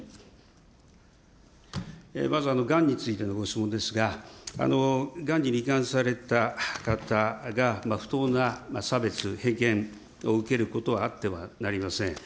まずがんについてのご質問ですが、がんにり患された方が不当な差別、偏見を受けることはあってはなりません。